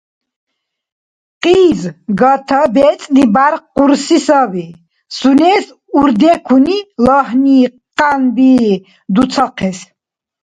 Кьиз гата бецӀли бяркъурси саби сунес урдекуни, лагьни, къянби дурцахъес.